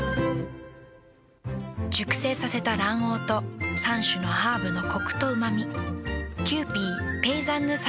熟成させた卵黄と３種のハーブのコクとうま味。